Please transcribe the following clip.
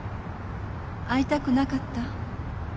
会いたくなかった？